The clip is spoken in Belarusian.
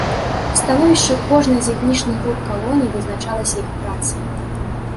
Становішча кожнай з этнічных груп калоніі вызначалася іх працай.